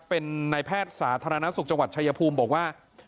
เป็นนายแพทย์สาธารณสุขจังหวัดชายภูมิบอกว่า